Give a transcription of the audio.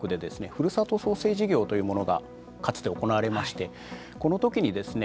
ふるさと創生事業というものがかつて行われましてこの時にですね